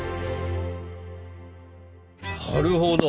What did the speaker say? なるほど。